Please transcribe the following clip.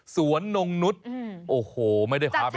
สวนนงนุฏโอ้โหไม่ได้พาไป